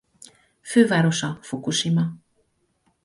Fővárosa Fukusima.